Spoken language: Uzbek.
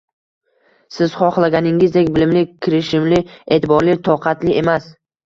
Siz xohlaganingizdek bilimli, kirishimli, e’tiborli, toqatli emas.